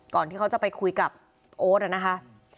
ที่เขาจะไปคุยกับโอ๊ตนะคะ